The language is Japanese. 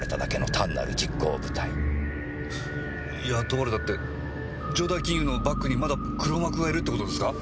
雇われたって城代金融のバックにまだ黒幕がいるって事ですか？